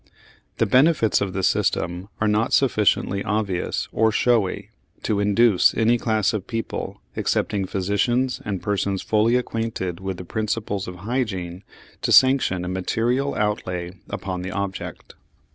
The benefits of the system are not sufficiently obvious or showy to induce any class of people, excepting physicians and persons fully acquainted with the principles of hygiene, to sanction a material outlay upon the object.